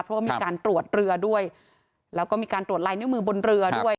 เพราะว่ามีการตรวจเรือด้วยแล้วก็มีการตรวจลายนิ้วมือบนเรือด้วย